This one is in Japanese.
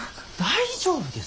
大丈夫です。